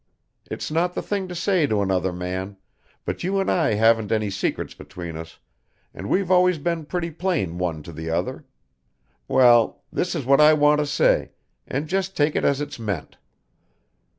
It's not the thing to say to another man, but you and I haven't any secrets between us, and we've always been pretty plain one to the other well, this is what I want to say, and just take it as it's meant.